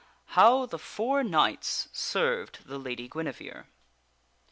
How the Four Knights Served the Lady Guinevere.